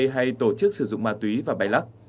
hay tổ chức sử dụng ma túy và bay lắc